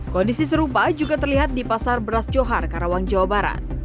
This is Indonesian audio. kondisi serupa juga terlihat di pasar beras johar karawang jawa barat